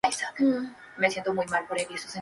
Mierda, mierda, mierda.